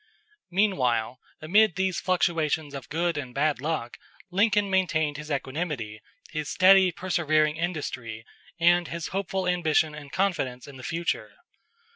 Meanwhile, amid these fluctuations of good and bad luck, Lincoln maintained his equanimity, his steady, persevering industry, and his hopeful ambition and confidence in the future.